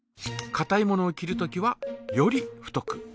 かたいものを切るときはより太く。